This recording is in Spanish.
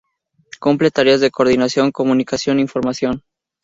Cumple tareas de coordinación, comunicación e información.